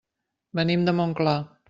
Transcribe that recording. Venim de Montclar.